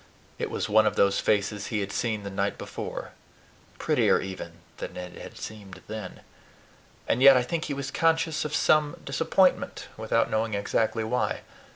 It was one of those faces he had seen the night before, prettier even than it had seemed then; and yet I think he was conscious of some disappointment, without knowing exactly why.